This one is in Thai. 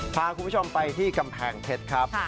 พาคุณผู้ชมไปที่กำแพงเพชรครับ